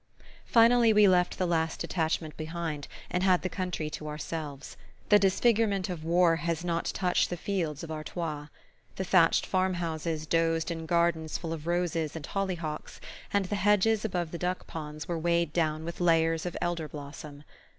Finally we left the last detachment behind, and had the country to ourselves. The disfigurement of war has not touched the fields of Artois. The thatched farmhouses dozed in gardens full of roses and hollyhocks, and the hedges above the duck ponds were weighed down with layers of elder blossom.